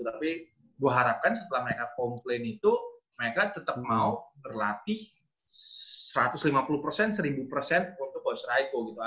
tapi gue harapkan setelah mereka komplain itu mereka tetap mau berlatih satu ratus lima puluh persen seribu persen untuk coach rico gitu